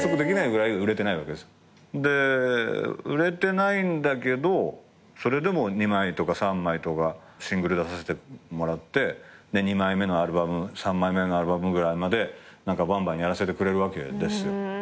で売れてないんだけどそれでも２枚とか３枚とかシングル出させてもらって２枚目のアルバム３枚目のアルバムぐらいまでバンバンやらせてくれるわけです。